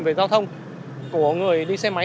về giao thông của người đi xe máy